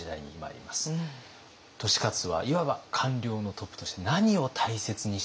利勝はいわば官僚のトップとして何を大切にしたのか。